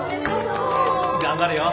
頑張れよ。